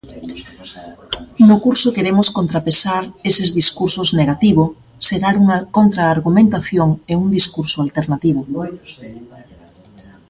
No curso queremos contrapesar eses discursos negativo, xerar unha contraargumentación e un discurso alternativo.